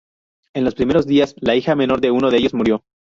En los primeros días, la hija menor de uno de ellos murió.